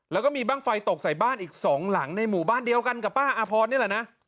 แล้วก็มีบ้างไฟตกใส่บ้านอีกสองหลังในหมู่บ้านเดียวกันกับป้าอาพรนี่แหละนะ